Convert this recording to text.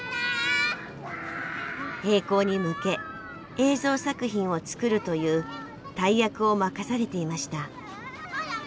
閉校に向け映像作品を作るという大役を任されていました。